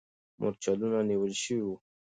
مرچلونه نیول سوي وو.